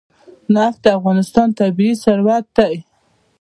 نفت د افغانستان طبعي ثروت دی.